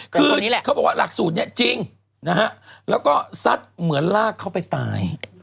คือเขาบอกว่าหลักสูตรนี้จริงนะฮะแล้วก็ซัดเหมือนลากเขาไปตาย